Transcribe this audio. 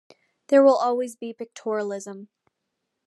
There will always be pictorialism.